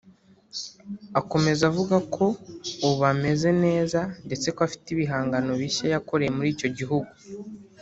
Akomeza avuga ko ubu ameze neza ndetse ko afite ibihangano bishya yakoreye muri icyo gihugu